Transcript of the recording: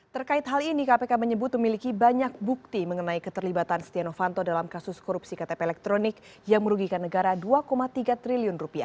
terkait hal ini kpk menyebut memiliki banyak bukti mengenai keterlibatan setia novanto dalam kasus korupsi ktp elektronik yang merugikan negara rp dua tiga triliun